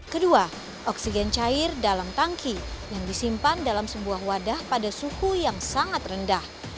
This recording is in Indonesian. kedua oksigen cair dalam tangki yang disimpan dalam sebuah wadah pada suhu yang sangat rendah